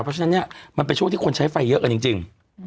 เพราะฉะนั้นเนี่ยมันเป็นช่วงที่คนใช้ไฟเยอะกันจริง